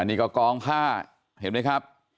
อันนี้ก็กองผ้าเห็นมั้ยครับ